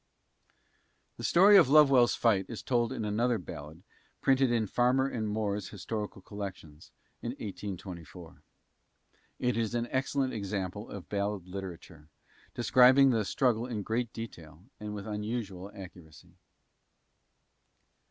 The story of Lovewell's fight is told in another ballad printed in Farmer and Moore's Historical Collections in 1824. It is an excellent example of ballad literature, describing the struggle in great detail and with unusual accuracy.